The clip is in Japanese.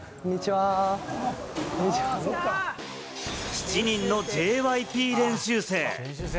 ７人のＪＹＰ練習生。